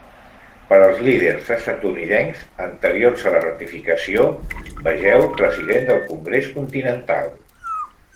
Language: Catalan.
Per als líders estatunidencs anteriors a la ratificació, vegeu President del Congrés Continental.